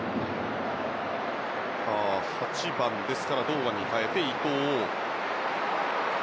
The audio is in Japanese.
８番ですから堂安に代えて伊東。